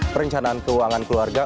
perencanaan keuangan keluarga